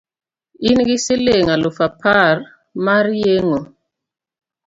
in gi siling' aluf apar mar yang'o?